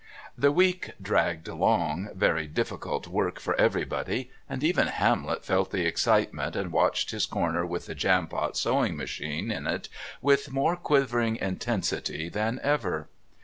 The week dragged along, very difficult work for everybody, and even Hamlet felt the excitement and watched his corner with the Jampot's sewing machine in it with more quivering intensity than ever.